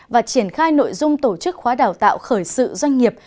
và triển khai nội dung tổ chức khóa đào tạo khởi sự doanh nghiệp